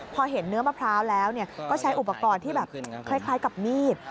พอเห็นเนื้อมะพร้าวแล้วก็ใช้อุปกรณ์ที่แบบคล้ายกับมีด